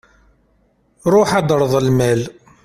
Ruḥ ad d-terreḍ lmal.